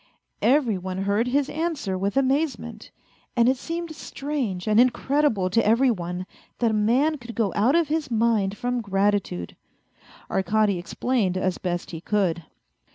Every one heard his answer with amazement, and it seemed 196 A FAINT HEART strange and incredible to every one that a man could go out of his mind from gratitude. Arkady explained as best he could.